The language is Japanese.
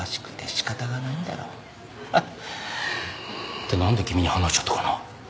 ってなんで君に話しちゃったかな。